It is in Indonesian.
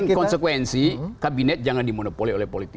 dengan konsekuensi kabinet jangan dimonopoli oleh politisi